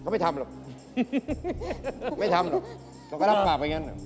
ไม่ทำหรอก